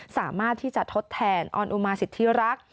สามารถที่จะทดแทนออนอุมาสิทธิรักษ